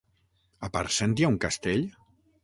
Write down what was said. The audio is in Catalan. A Parcent hi ha un castell?